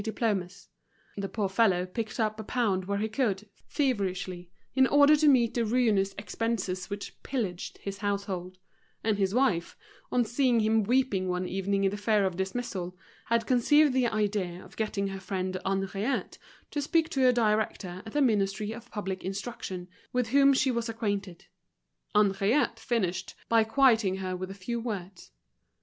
diplomas; the poor fellow picked up a pound where he could, feverishly, in order to meet the ruinous expenses which pillaged his household; and his wife, on seeing him weeping one evening in the fear of a dismissal, had conceived the idea of getting her friend Henriette to speak to a director at the Ministry of Public Instruction with whom she was acquainted. Henriette finished by quieting her with a few words.